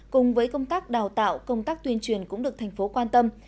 cùng với công tác đào tạo công tác tuyên truyền cũng được thành phố quan tâm